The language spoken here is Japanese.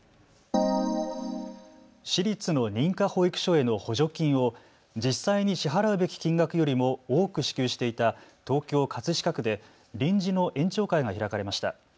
私立の認可保育所への補助金を実際に支払うべき金額よりも多く支給していた東京葛飾区で臨時の園長会が開かれました。